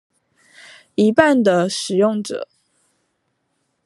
一半的使用者